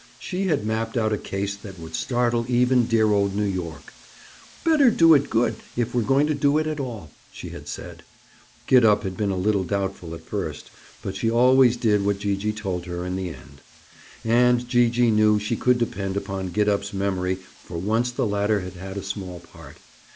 She had mapped out a case that would startle even dear old New York. "Better do it good, if we're going to do it at all," she had said. Gid up had been a little doubtful at first, but she always did what Gee gee told her to in the end. And Gee gee knew she could depend upon Gid up's memory, for once the latter had had a small part.